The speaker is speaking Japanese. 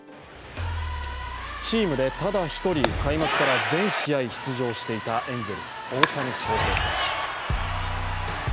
チームでただ１人、開幕から全試合出場していたエンゼルス・大谷翔平選手。